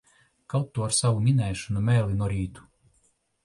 Kaut tu ar savu minēšanu mēli norītu!